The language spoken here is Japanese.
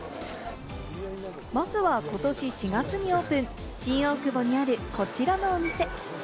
まずはことし４月にオープン、新大久保にある、こちらのお店。